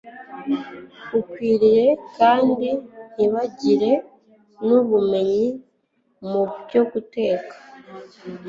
ikwiriye kandi ntibagire n’ubumenyi mu byoguteka